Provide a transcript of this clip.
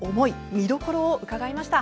見どころを伺いました。